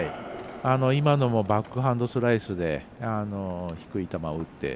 今のもバックハンドスライスで低い球を打って。